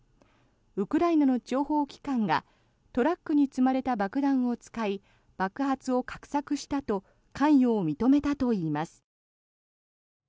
ウクライナの諜報機関がトラックに積まれた爆弾を使い爆発を画策したと関与を認めたといいます。